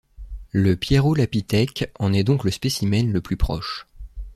Le piérolapithèque en est donc le spécimen le plus proche.